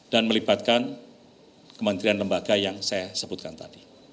dan melibatkan kementerian lembaga yang saya sebutkan tadi